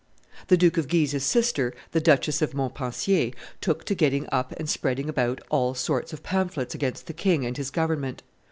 The Duke of Guise's sister, the Duchess of Montpensier, took to getting up and spreading about all sorts of pamphlets against the king and his government.